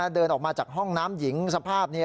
เดินออกมาจากห้องน้ำหญิงสภาพ